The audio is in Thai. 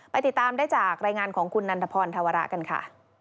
ติดตามได้จากรายงานของคุณนันทพรธวระกันค่ะ